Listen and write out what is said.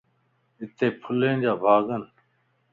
ھتي ڦلين جا ڀاڳن